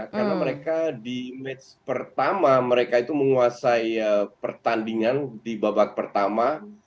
karena mereka di match pertama mereka itu menguasai pertandingan di babak pertama